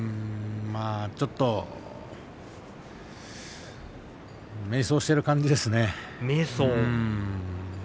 ちょっと正代は迷走している感じですね。